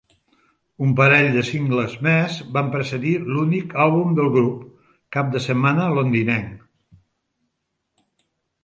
Un parell de singles més van precedir l'únic àlbum del grup: "Cap de setmana londinenc".